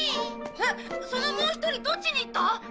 そのもう１人どっちに行った？